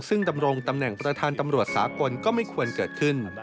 ซึ่งดำรงตำแหน่งประธานตำรวจสากลก็ไม่ควรเกิดขึ้น